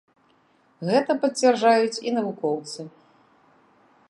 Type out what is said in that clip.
Гэта пацвярджаюць і навукоўцы.